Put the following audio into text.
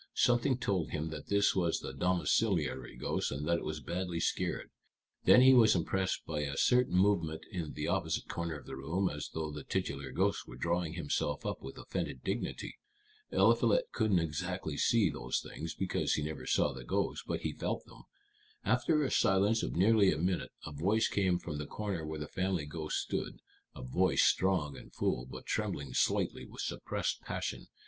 Something told him that this was the domiciliary ghost, and that it was badly scared. Then he was impressed by a certain movement in the opposite corner of the room, as though the titular ghost were drawing himself up with offended dignity. Eliphalet couldn't exactly see those things, because he never saw the ghosts, but he felt them. After a silence of nearly a minute a voice came from the corner where the family ghost stood a voice strong and full, but trembling slightly with suppressed passion.